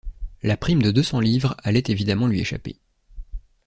La prime de deux cents livres allait évidemment lui échapper.